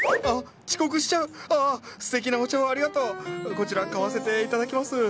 こちら買わせて頂きます！